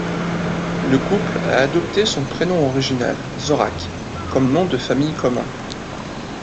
Le couple a adopté son prénom original, Zorach, comme nom de famille commun.